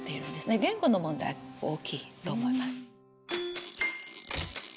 言語の問題大きいと思います。